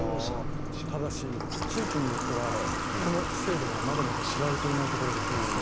ただし地域によってはこの制度がまだまだ知られていないところがあります。